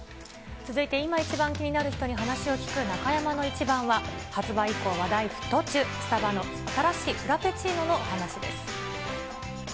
続いて今一番気になる人に話を聞く中山のイチバンは、発売以降、話題沸騰中、スタバの新しいフラペチーノのお話です。